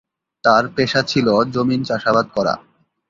তার পেশা ছিল জমিন চাষাবাদ করা।